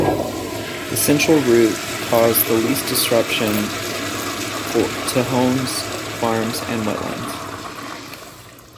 The central route caused the least disruption to homes, farms and wetlands.